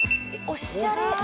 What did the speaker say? おしゃれな。